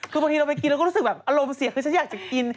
คือบางทีเราไปกินเราก็รู้สึกแบบอารมณ์เสียคือฉันอยากจะกิน